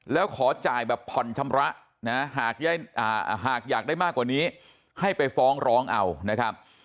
แล้วขอจ่ายแบบผ่อนชำระนะหากอยากได้มากกว่านี้ให้ไปฟ้องร้องเอานะครับ